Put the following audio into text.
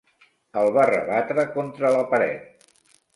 El va rebatre contra la paret.